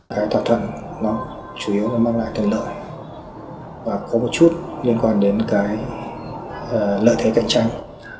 cái thỏa thuận nó chủ yếu nó mang lại thuận lợi và có một chút liên quan đến cái lợi thế cạnh tranh